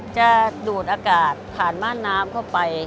จะดูดอากาศผ่านม่านน้ำเข้าไป